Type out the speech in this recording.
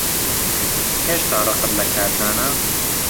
هێشتا ڕقت لە کارزانە؟